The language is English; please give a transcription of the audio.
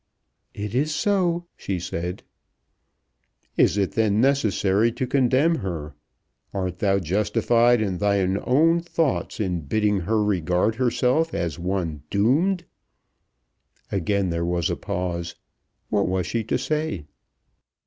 "It is so," she said. "Is it then necessary to condemn her? Art thou justified in thine own thoughts in bidding her regard herself as one doomed?" Again there was a pause. What was she to say?